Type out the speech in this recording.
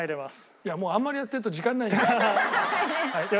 いやもうあんまりやってると時間ないから。